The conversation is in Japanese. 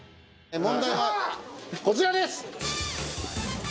問題はこちらです。